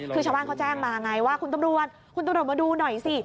คือชาวบ้านเขาแจ้งมาไงว่าคุณตำรวจคุณตำรวจมาดูหน่อยสิ